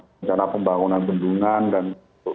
penjana pembangunan bendungan dan